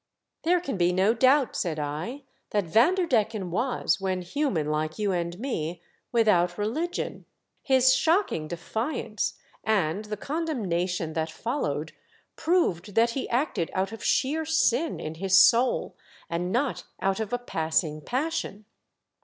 "There can be no doubt," said I, "that Vanderdecken was — when human like you and me, without relip ion. His shockino de fiance, and the condemnation that followed, proved that he acted out of sheer sin in his soul, and not out of a passing passion.